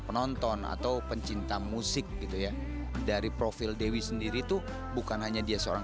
penonton atau pencinta musik gitu ya dari profil dewi sendiri tuh bukan hanya dia seorang